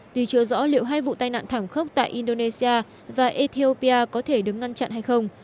tuy chưa rõ liệu hai vụ tai nạn thảm khốc tại indonesia và ethiopia có thể được ngăn chặn hay không